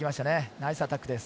ナイスアタックです。